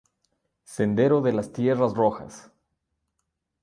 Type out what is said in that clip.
Sendero de las tierras rojas.